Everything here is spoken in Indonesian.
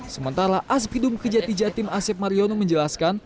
sementara asbidum kejati jatim asyaf mariono menjelaskan